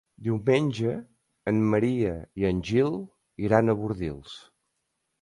Diumenge en Maria i en Gil iran a Bordils.